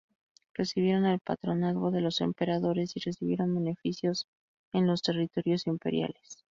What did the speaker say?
Recibieron el patronazgo de los emperadores y recibieron beneficios en los territorios imperiales.